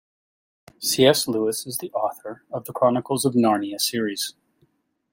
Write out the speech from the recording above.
C.S. Lewis is the author of The Chronicles of Narnia series.